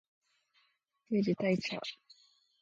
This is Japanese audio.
定時退社